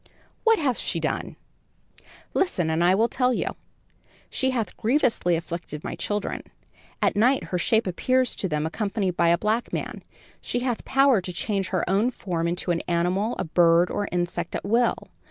"What hath she done?" "Listen and I will tell you. She hath grievously afflicted my children. At night her shape appears to them accompanied by a black man. She hath power to change her own form into an animal, a bird or insect at will.